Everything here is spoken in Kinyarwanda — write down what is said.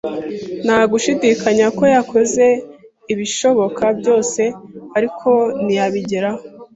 Nta gushidikanya ko yakoze ibishoboka byose, ariko ntiyabigeraho.